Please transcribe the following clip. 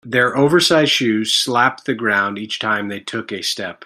Their oversized shoes slapped the ground each time they took a step.